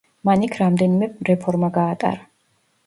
მან იქ რამდენიმე რეფორმა გაატარა.